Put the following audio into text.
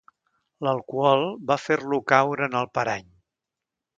L'alcohol va fer-lo caure en el parany.